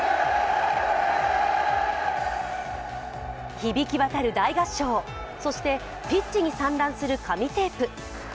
響きわたる大合唱、そしてピッチに散乱する紙テープ。